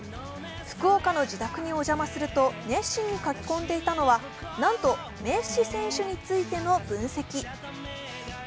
福岡の自宅にお邪魔すると熱心に書き込んでいたのはなんとメッシ選手についての分析。